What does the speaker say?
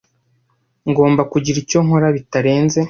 Ngomba kugira icyo nkora bitarenze.